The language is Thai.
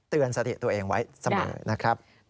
เตือนสติตัวเองไว้เสมอนะครับ